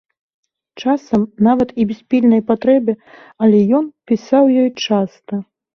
Часам нават і без пільнай патрэбы, але ён пісаў ёй часта.